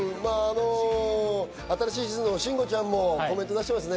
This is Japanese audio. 新しい地図の慎吾ちゃんもコメント出してますね。